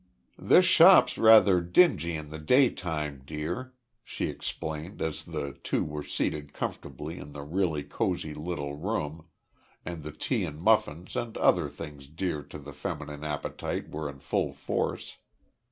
"This shop's rather dingy in the daytime, dear," she explained as the two were seated comfortably in the really cosy little room, and the tea and muffins and other things dear to the feminine appetite were in full force.